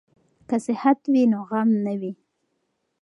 که صحت وي نو غم نه وي.